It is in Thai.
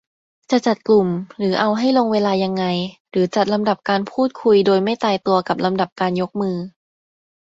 จะจัดกลุ่ม หรือเอาให้ลงเวลายังไง หรือจัดลำดับการพูดคุยโดยไม่ตายตัวกับลำดับการยกมือ